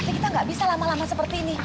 tapi kita nggak bisa lama lama seperti ini